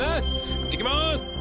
行ってきます！